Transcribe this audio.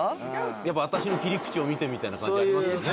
やっぱ「私の切り口を見て」みたいな感じありますよね。